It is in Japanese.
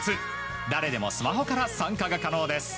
誰でもスマホから参加が可能です。